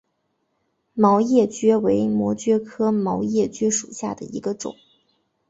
毛叶蕨为膜蕨科毛叶蕨属下的一个种。